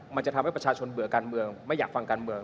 มันจะทำให้ประชาชนเบื่อการเมืองไม่อยากฟังการเมือง